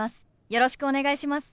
よろしくお願いします。